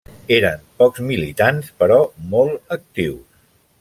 Eren pocs militants però molt actius.